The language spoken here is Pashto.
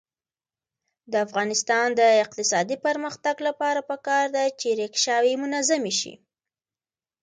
د افغانستان د اقتصادي پرمختګ لپاره پکار ده چې ریکشاوې منظمې شي.